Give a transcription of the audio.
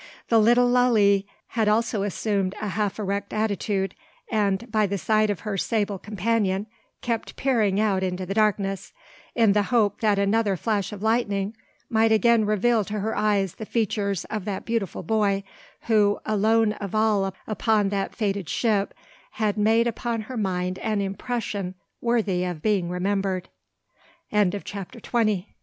The little Lalee had also assumed a half erect attitude; and, by the side of her sable companion, kept peering out into the darkness, in the hope that another flash of lightning might again reveal to her eyes the features of that beautiful boy, who, alone of all upon that fated ship, had made upon her mind an impression worthy of being remembered. CHAPTER TWENTY ONE.